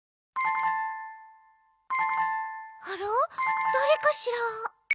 あらだれかしら？